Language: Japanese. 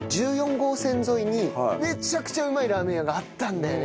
号線沿いにめちゃくちゃうまいラーメン屋があったんだよね。